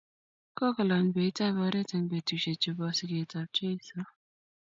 Kokolany beit ab oret eng betusiechu bo sigetab Jeiso,